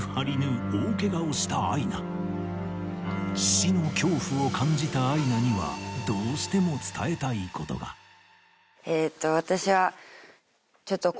死の恐怖を感じたアイナにはどうしても伝えたいことが私は。